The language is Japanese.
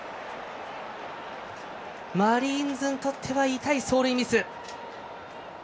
マリーンズにとっては痛い走塁ミス。